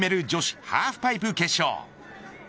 女子ハーフパイプ決勝。